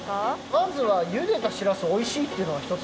まずはゆでたしらすはおいしいっていうのはひとつですね。